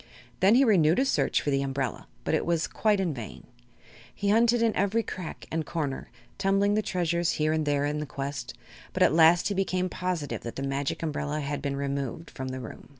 Then he renewed his search for the umbrella, but it was quite in vain. He hunted in every crack and corner, tumbling the treasures here and there in the quest, but at last he became positive that the Magic Umbrella had been removed from the room.